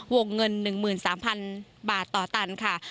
วงเงิน๑๓๐๐๐บาทต่อตันค่ะ